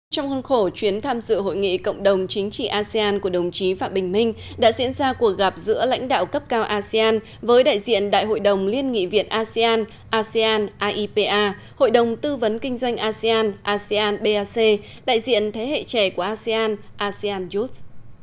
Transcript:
trong khuôn khổ chuyến tham dự hội nghị cộng đồng chính trị asean của đồng chí phạm bình minh đã diễn ra cuộc gặp giữa lãnh đạo cấp cao asean với đại diện đại hội đồng liên nghị viện asean asean asean aipa hội đồng tư vấn kinh doanh asean asean bac đại diện thế hệ trẻ của asean asean youth